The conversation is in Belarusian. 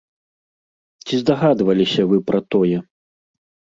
Ці здагадваліся вы пра тое?